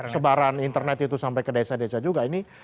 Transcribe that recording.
sebaran internet itu sampai ke desa desa juga ini